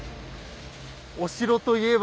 お城といえば。